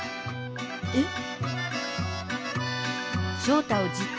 えっ？